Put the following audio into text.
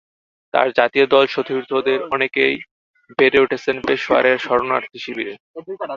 তাঁর জাতীয় দল সতীর্থদের অনেকেই বেড়ে উঠেছেন পেশোয়ারের শরণার্থীশিবিরে।